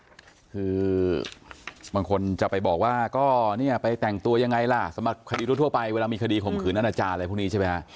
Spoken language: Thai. คือบางคนจะไปบอกว่าก็เนี่ยไปแต่งตัวยังไงล่ะสำหรับคดีทั่วไปเวลามีคดีข่มขืนอนาจารย์อะไรพวกนี้ใช่ไหมฮะ